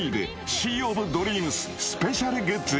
シー・オブ・ドリームス」スペシャルグッズ